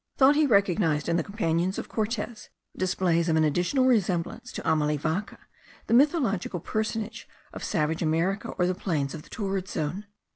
thought he recognized in the companions of Cortez, displays an additional resemblance to Amalivaca, the mythologic personage of savage America or the plains of the torrid zone.